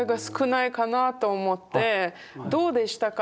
「どうでしたか？